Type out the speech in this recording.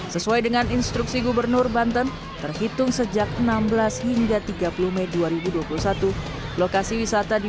sesuai dengan instruksi gubernur banten terhitung sejak enam belas hingga tiga puluh mei dua ribu dua puluh satu lokasi wisata di